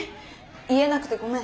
言えなくてごめん。